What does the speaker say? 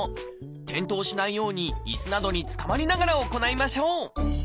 転倒しないようにいすなどにつかまりながら行いましょう。